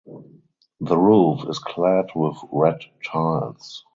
The roof is clad with red tiles.